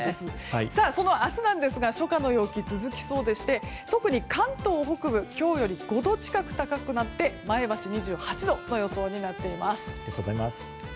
その明日なんですが初夏の陽気、続きそうでして特に関東北部、今日より５度近く高くなり前橋は２８度の予想となっています。